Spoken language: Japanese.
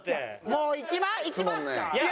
もういきますか？